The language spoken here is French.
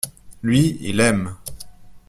Lui, il aime.